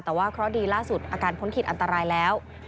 แต่ว่าเคราะห์ดีล่าสุดอาการพ้นขีดอันตรายแล้ว